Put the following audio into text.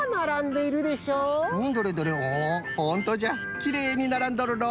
きれいにならんどるの。